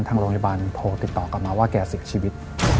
ทางโรงพยาบาลโทรติดต่อกลับมาว่าแกเสียชีวิต